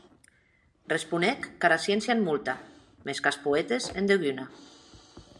Responec qu'ara sciéncia en molta; mès qu'as poètes en deguna.